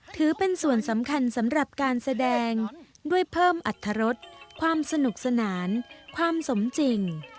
ถือเป็นส่วนสำคัญสำหรับการแสดงด้วยเพิ่มอัตรรสความสนุกสนานความสมจริง